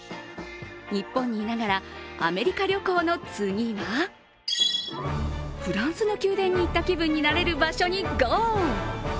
日本にいながらアメリカ旅行の次は、フランスの宮殿に行った気分になれる場所にゴー。